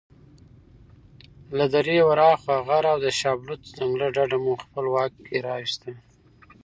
له درې ورهاخوا غر او د شابلوط ځنګله ډډه مو په خپل واک راوسته.